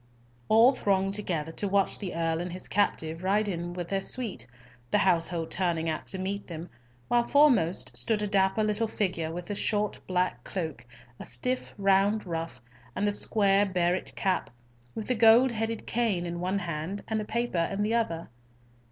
All thronged together to watch the Earl and his captive ride in with their suite, the household turning out to meet them, while foremost stood a dapper little figure with a short black cloak, a stiff round ruff, and a square barrett cap, with a gold headed cane in one hand and a paper in the other.